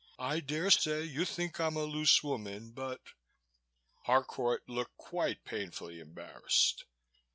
I daresay you think I'm a loose woman but " Harcourt looked quite painfully embarrassed.